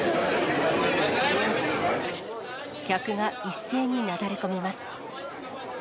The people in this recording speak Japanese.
客が一斉になだれ込みます。